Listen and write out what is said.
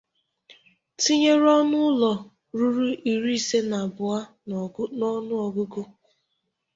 tinyere ọnụ ụlọ ruru iri ise na abụọ n'ọnụọgụgụ